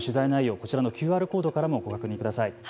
こちらのＱＲコードからもご確認ください。